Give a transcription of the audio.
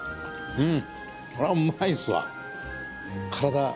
「うん。